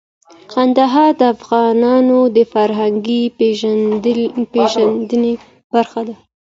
کندهار د افغانانو د فرهنګي پیژندنې برخه ده.